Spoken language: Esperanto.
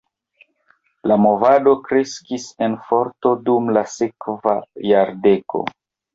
La movado kreskis en forto dum la sekva jardeko.